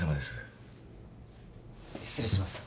失礼します。